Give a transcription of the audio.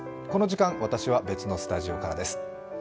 この時間、私は別のスタジオからです。